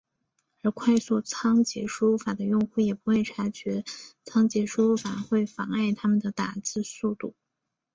而快速仓颉输入法的用户也不会察觉仓颉输入法会妨碍他的打字速度。